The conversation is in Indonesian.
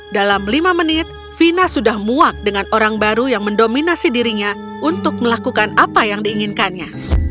dalam lima menit vina sudah muak dengan orang baru yang mendominasi dirinya untuk melakukan apa yang diinginkannya